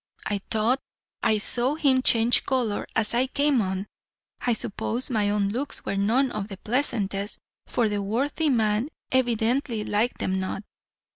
I thought I saw him change color as I came on. I suppose my own looks were none of the pleasantest, for the worthy man evidently liked them not.